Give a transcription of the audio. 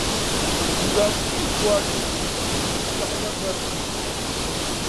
Ngāp síʼ mfūᾱ tα̌ thʉ̄ pάʼ nsāk lά bᾱ.